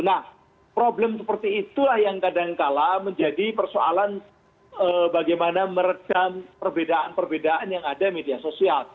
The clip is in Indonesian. nah problem seperti itulah yang kadangkala menjadi persoalan bagaimana meredam perbedaan perbedaan yang ada media sosial